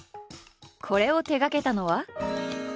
これを手がけたのは。